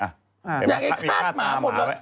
เห็นไหมมีคาดตาหมาไว้